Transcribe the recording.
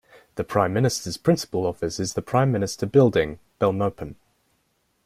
The Prime Minister's principal office is the Prime Minister Building, Belmopan.